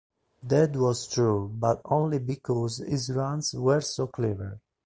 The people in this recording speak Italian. That was true but only because his runs were so clever.